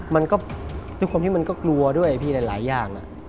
มันก็ด้วยความที่มันก็กลัวด้วยพี่หลายอย่าง